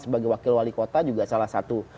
sebagai wakil wali kota juga salah satu